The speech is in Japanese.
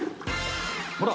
ほら。